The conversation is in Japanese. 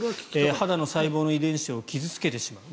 肌の細胞の遺伝子を傷付けてしまう。